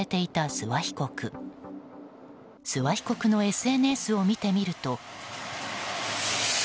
諏訪被告のＳＮＳを見てみると。